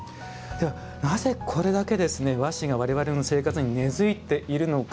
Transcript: なぜ、これだけ和紙が私たちの生活に根づいているか。